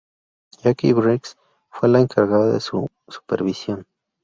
Jacqui Briggs fue la encargada de su supervisión.